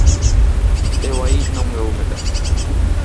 Eu aí non me vou meter.